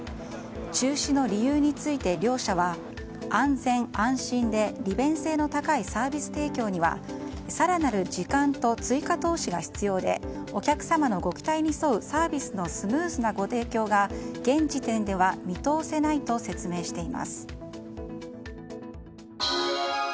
中止の理由について両社は安全・安心で利便性の高いサービス提供には更なる時間と追加投資が必要でお客様のご期待に沿うサービスのスムーズなご提供が現時点では見通せないと説明しています。